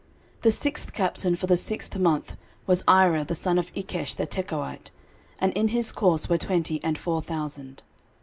13:027:009 The sixth captain for the sixth month was Ira the son of Ikkesh the Tekoite: and in his course were twenty and four thousand.